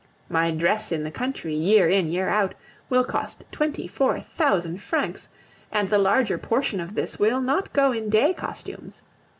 My dress in the country, year in, year out, will cost twenty four thousand francs, and the larger portion of this will not go in day costumes.